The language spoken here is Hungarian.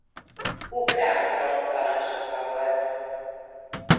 Ukrán Front parancsnoka volt.